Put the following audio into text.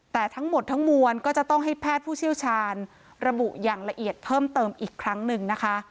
แต่ทั้งหมดทั้งมวลก็จะต้องให้แพทย์ผู้เชี่ยวชาญระบุอย่างละเอียดเพิ่มเติมอีกครั้งหนึ่งนะคะ